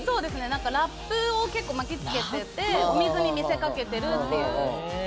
ラップを巻きつけててお水に見せかけてるっていう。